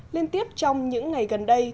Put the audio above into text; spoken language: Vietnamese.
liên tiếp trong những ngày gần đây